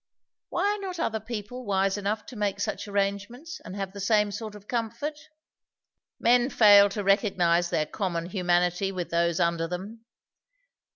"Why are not other people wise enough to make such arrangements and have the same sort of comfort?" "Men fail to recognize their common humanity with those under them.